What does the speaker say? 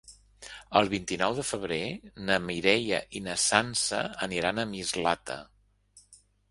El vint-i-nou de febrer na Mireia i na Sança aniran a Mislata.